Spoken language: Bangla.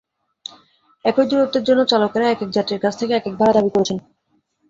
একই দূরত্বের জন্য চালকেরা একেক যাত্রীর কাছ থেকে একেক ভাড়া দাবি করছেন।